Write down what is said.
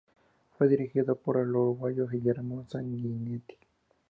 Fue dirigido por el uruguayo Guillermo Sanguinetti.